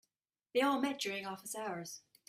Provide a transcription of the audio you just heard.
They all met during office hours.